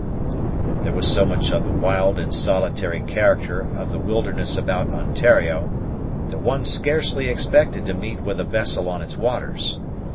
There was so much of the wild and solitary character of the wilderness about Ontario, that one scarcely expected to meet with a vessel on its waters.